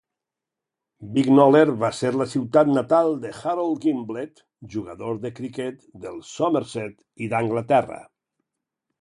Bicknoller va ser la ciutat natal de Harold Gimblett, jugador de criquet del Somerset i d'Anglaterra.